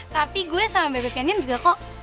tapi gue sama bebek kenin juga kok